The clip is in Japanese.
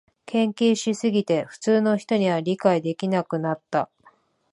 研究しすぎて普通の人には理解できなくなった